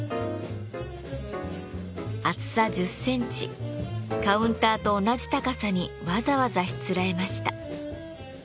厚さ１０センチカウンターと同じ高さにわざわざしつらえました。